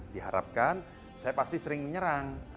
diharapkan saya pasti sering menyerang